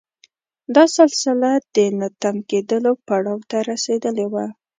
دا سلسله د نه تم کېدلو پړاو ته رسېدلې وه.